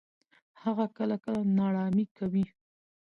هغه کله کله ناړامي کوي.